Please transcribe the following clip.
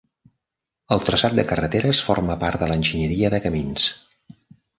El traçat de carreteres forma part de l'enginyeria de camins.